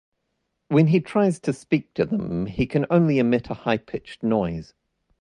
When he tries to speak to them, he can only emit a high-pitched noise.